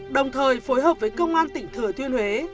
đồng thời phối hợp với công an tỉnh thừa thiên huế